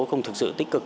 không thực sự tích cực